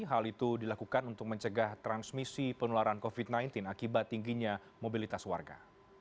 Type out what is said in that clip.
hal itu dilakukan untuk mencegah transmisi penularan covid sembilan belas akibat tingginya mobilitas warga